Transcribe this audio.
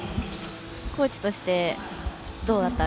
コーチとして、どうだった？